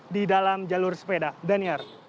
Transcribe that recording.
di dalam jalur sepeda daniar